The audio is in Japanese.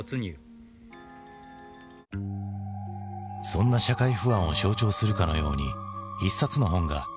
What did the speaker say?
そんな社会不安を象徴するかのように一冊の本がベストセラーとなる。